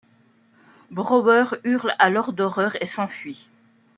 Brower hurle alors d'horreur et s'enfuit.